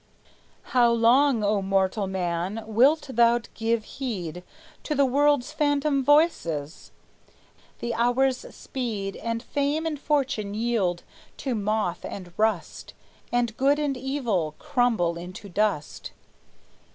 "How long, O mortal man, wilt thou give heed To the world's phantom voices? The hours speed, And fame and fortune yield to moth and rust, And good and evil crumble into dust.